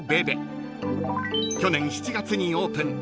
［去年７月にオープン］